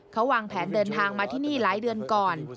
เขาวางแผนเดินทางมาที่นี่หลายเดือนก่อน